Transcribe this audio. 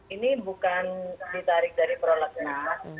ini bukan ditarik dari prolegnas